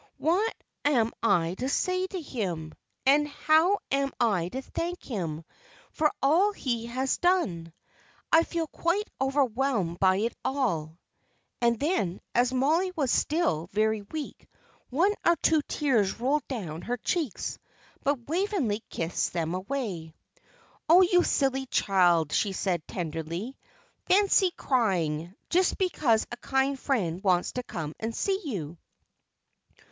What am I to say to him? And how am I to thank him, for all he has done? I feel quite overwhelmed by it all." And then, as Mollie was still very weak, one or two tears rolled down her cheeks; but Waveney kissed them away. "Oh, you silly child!" she said, tenderly. "Fancy crying, just because a kind friend wants to come and see you!